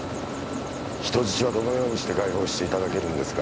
人質はどのようにして解放していただけるんですか？